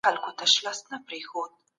ډېره بوره په هره ورځني خواړه کې شته.